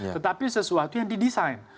tetapi sesuatu yang didesain